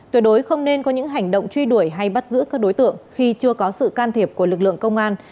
tuyệt đối không nên có những hành động truy đuổi hay bắt giữ các đối tượng khi chưa có sự can thiệp của lực lượng công an